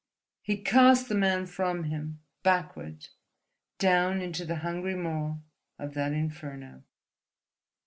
He cast the man from him, backward, down into the hungry maw of that inferno....